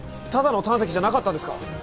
ただの胆石じゃなかったんですか？